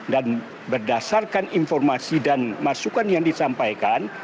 dan berdasarkan informasi dan masukan yang disampaikan